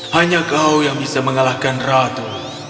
hanya kau yang bisa mengalahkan ratu